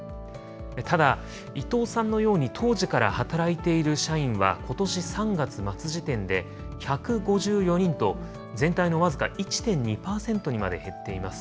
ただ、伊藤さんのように当時から働いている社員は、ことし３月末時点で、１５４人と全体の僅か１．２％にまで減っています。